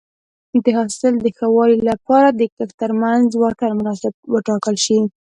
د حاصل د ښه والي لپاره د کښت ترمنځ واټن مناسب وټاکل شي.